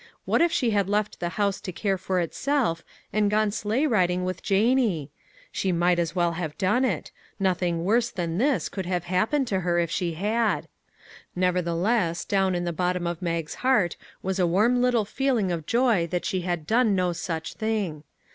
What if she had left the house to care for itself, and gone sleigh riding with 4* " A GIRL OUT OF A BOOK " Janie? She might as well have done it; noth ing worse than this could have happened to her if she had. Nevertheless, down in the bot tom of Mag's heart was a warm little feeling of joy that she had done no such thing.